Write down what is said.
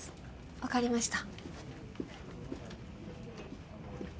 わかりました。